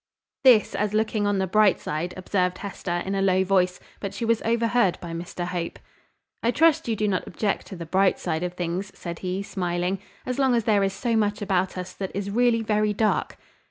"This as looking on the bright side," observed Hester, in a low voice; but she was overheard by Mr Hope. "I trust you do not object to the bright side of things," said he, smiling, "as long as there is so much about us that is really very dark?"